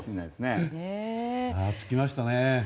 着きましたね。